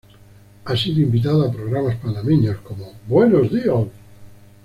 Ha sido invitado a programas panameños como "Buenos Días".